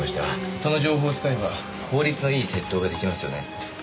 その情報を使えば効率のいい窃盗が出来ますよね。